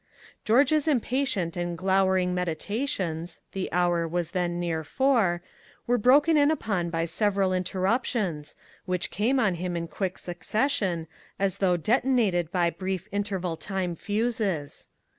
George's impatient and glowering meditations the hour was then near four were broken in upon by several interruptions, which came on him in quick succession, as though detonated by brief interval time fuses.